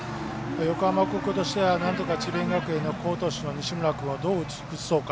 横浜高校としてはなんとか智弁学園の好投手の西村君をどう打ち崩そうか。